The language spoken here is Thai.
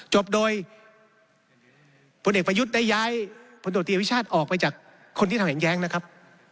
จบโดยผู้เด็กประยุทธ์ได้ย้ายผู้โดดเตียวิชาติออกไปจากคนที่ทำแหงแย้งนะครับ